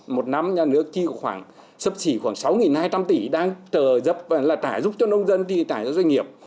một năm nhà nước chi khoảng sấp chỉ khoảng sáu hai trăm linh tỷ đang trở dập là trả giúp cho nông dân thì trả giúp doanh nghiệp